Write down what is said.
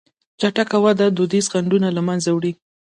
چټکه وده دودیز خنډونه له منځه وړي.